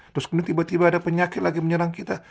terus kemudian tiba tiba ada penyakit lagi menyerang kita